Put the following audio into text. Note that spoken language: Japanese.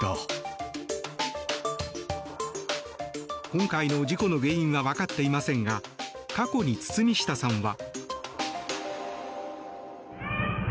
今回の事故の原因はわかっていませんが過去に堤下さんは。